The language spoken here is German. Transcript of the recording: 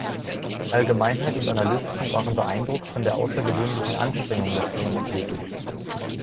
Allgemeinheit und Analysten waren beeindruckt von der außergewöhnlichen Anstrengung des jungen Athleten.